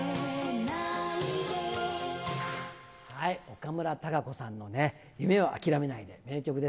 岡村孝子さんの、夢をあきらめないで。